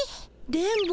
電ボ